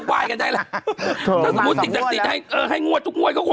ก็หายได้ละถ้าสิบสิงทรีย์ศาสตร์จริง